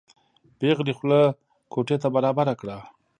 پېغلې خوله کوټې ته برابره کړه.